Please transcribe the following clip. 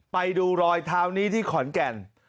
ไปดูรอยเท้านี้ที่ขอนแก่น